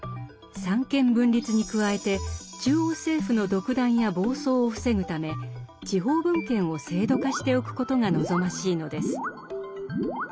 三権分立に加えて中央政府の独断や暴走を防ぐため地方分権を制度化しておくことが望ましいのです。